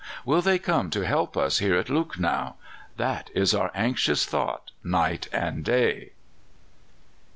will they come to help us here at Lucknow? That is our anxious thought night and day."